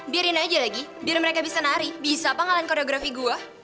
biarin aja lagi biar mereka bisa nari bisa apa ngalahin koreografi gua